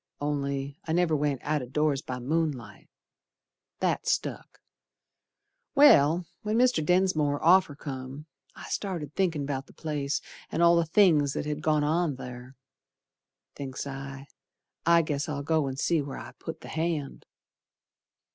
Only I never went out o' doors by moonlight; That stuck. Well, when Mr. Densmore's offer come, I started thinkin' 'bout the place An' all the things that had gone on ther. Thinks I, I guess I'll go and see where I put the hand.